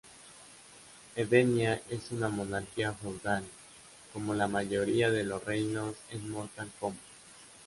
Edenia es una monarquía feudal, como la mayoría de los reinos en Mortal Kombat.